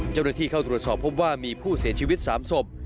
เจ้าหน้าที่เข้าตรวจสอบพบว่ามีผู้เสียชีวิต๓ศพ